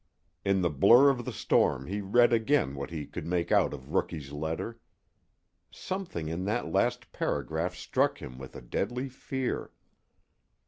In the blur of the storm he read again what he could make out of Rookie's letter. Something in that last paragraph struck him with a deadly fear.